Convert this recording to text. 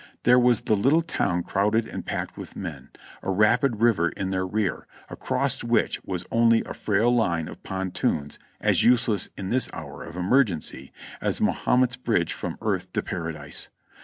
There was the little town crowded and packed with men, a rapid river in their rear, across which was only a frail line of pontoons as useless in this hour of emergency as Mahomet's Bridge from Earth to Paradise.